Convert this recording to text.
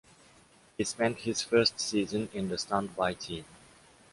He spent his first season in the standby team.